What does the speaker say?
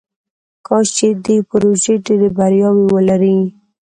کاش چې دې پروژې ډیرې بریاوې ولري.